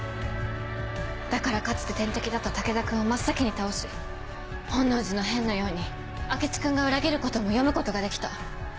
だからかつて天敵だった武田君を真っ先に倒し本能寺の変のように明智君が裏切ることも読むことができた。